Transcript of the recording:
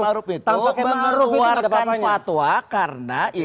km a'ruf itu mengeluarkan fatwa karena itu habib rizieq